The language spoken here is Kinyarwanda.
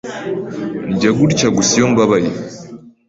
Ndya gutya gusa iyo mbabaye.